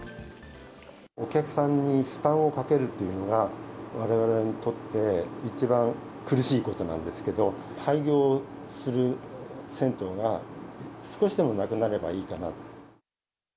お客さんに負担をかけるというのは、われわれにとって一番苦しいことなんですけど、廃業する銭湯が少しでもなくなればいいかな。